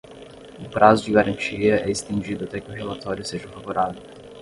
O prazo de garantia é estendido até que o relatório seja favorável.